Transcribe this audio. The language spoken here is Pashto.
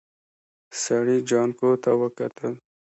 سړي جانکو ته وکتل.